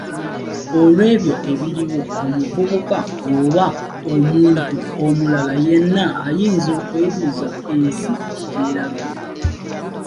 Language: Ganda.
Olwebyo ebiriwo omuvubuka oba omuntu omulala yenna ayinza okwebuuza ensi gyeraga.